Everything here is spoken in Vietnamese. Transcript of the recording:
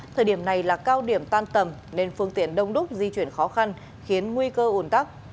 thời điểm này là cao điểm tan tầm nên phương tiện đông đúc di chuyển khó khăn khiến nguy cơ ủn tắc